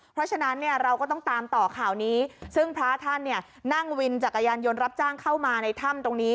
เพราะฉะนั้นเนี่ยเราก็ต้องตามต่อข่าวนี้ซึ่งพระท่านเนี่ยนั่งวินจักรยานยนต์รับจ้างเข้ามาในถ้ำตรงนี้